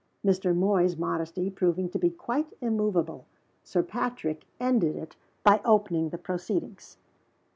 Mr. Moy's modesty proving to be quite immovable, Sir Patrick ended it by opening the proceedings.